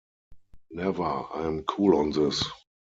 Never, I am cool on this.